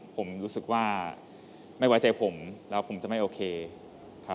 ผมรู้สึกว่าไม่ไว้ใจผมแล้วผมจะไม่โอเคครับ